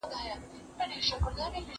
د دنګو غرونو د وطن انځورګر